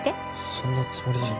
そんなつもりじゃ。